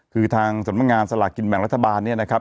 คือทางสำนักงานสลากกินแบ่งรัฐบาลเนี่ยนะครับ